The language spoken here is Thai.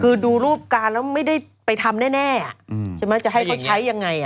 คือดูรูปการณ์แล้วไม่ได้ไปทำแน่ใช่ไหมจะให้เขาใช้ยังไง